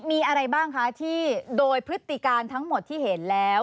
มีอะไรบ้างคะที่โดยพฤติการทั้งหมดที่เห็นแล้ว